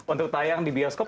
untuk tayang di bioskop